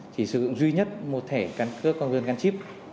chỉ sử dụng duy nhất một thẻ căn cước công dân gắn chip